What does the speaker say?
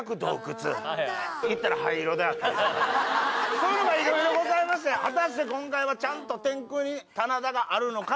そういうのがいろいろございまして果たして今回はちゃんと天空に棚田があるのか？ということ。